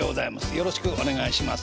よろしくお願いします。